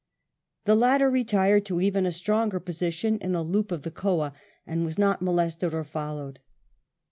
The latter retired to even a stronger position in a loop of the Coa, and was not molested or followed.